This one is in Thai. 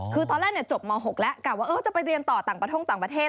คือตอนแรกจบม๖แล้วกะว่าจะไปเรียนต่อต่างประท่งต่างประเทศ